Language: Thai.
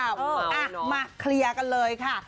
อ่ะมาเคลียร์กันเลยค่ะ